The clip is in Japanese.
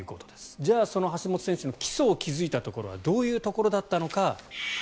じゃあその橋本選手の基礎を築いたところはどういうところだったのか。